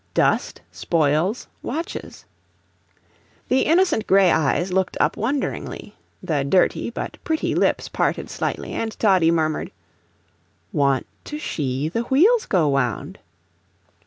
"Dust spoils watches." The innocent gray eyes looked up wonderingly, the dirty, but pretty lips parted slightly, and Toddie murmured: "Want to shee the wheels go wound."